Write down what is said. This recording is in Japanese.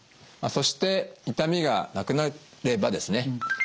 そして痛みがなくなればですね